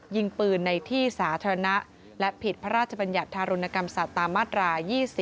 ยิงปืนในที่สาธารณะและผิดพระราชบัญญัติธารุณกรรมสัตว์ตามมาตรา๒๐